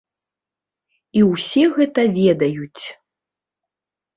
І ўсе гэта ведаюць.